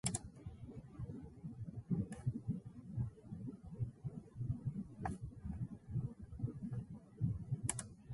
A year later he married Claude Bourdict.